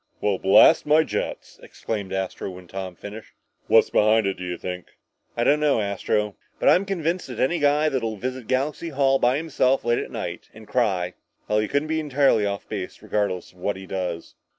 "Well, blast my jets!" exclaimed Astro, when Tom had finished. "What's behind it, do you think?" "I don't know, Astro. But I'm convinced that any guy that'll visit Galaxy Hall by himself late at night and cry well, he couldn't be entirely off base, regardless of what he does."